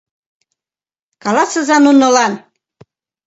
Каласыза нунылан...